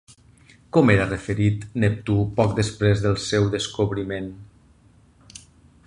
Com era referit Neptú poc després del seu descobriment?